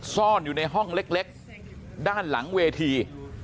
ซ่อนอยู่ในห้องเล็กด้านหลังเวที